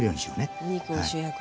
あお肉を主役に。